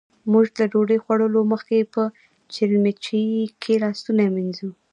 موژ له ډوډۍ خوړلو مخکې په چیلیمچې کې لاسونه مينځو.